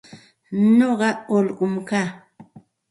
Nuqa ullqum kaa.